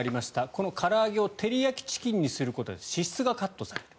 このから揚げを照り焼きチキンにすることで脂質がカットされる。